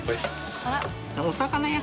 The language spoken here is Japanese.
あら。